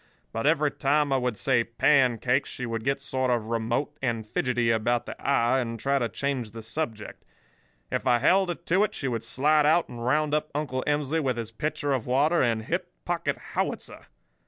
But every time I would say 'pancakes' she would get sort of remote and fidgety about the eye, and try to change the subject. If I held her to it she would slide out and round up Uncle Emsley with his pitcher of water and hip pocket howitzer.